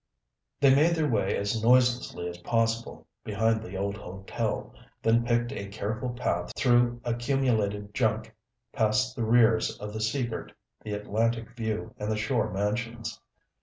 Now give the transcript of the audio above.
They made their way as noiselessly as possible behind the old hotel, then picked a careful path through accumulated junk past the rears of the Sea Girt, the Atlantic View, and the Shore Mansions.